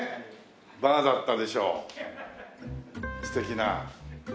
バーだったでしょ素敵な。